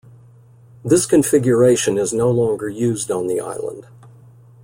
This configuration is no longer used on the island.